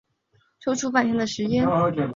抽出半天的时间